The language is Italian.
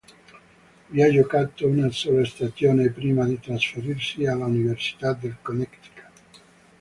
Vi ha giocato una sola stagione, prima di trasferirsi all'Università del Connecticut.